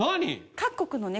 各国のね